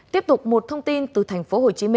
tiếp tục một thông tin từ tp hcm